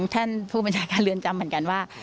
ท่านผู้บัญชาการเรือนจำเหมือนกันว่า